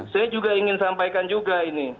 saya juga ingin sampaikan juga ini